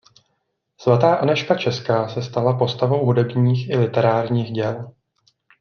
Sv. Anežka Česká se stala postavou hudebních i literárních děl.